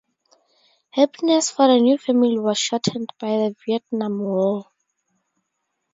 Happiness for the new family was shortened by the Vietnam War.